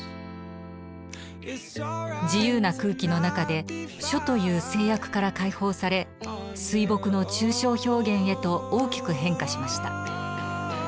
自由な空気の中で「書」という制約から解放され水墨の抽象表現へと大きく変化しました。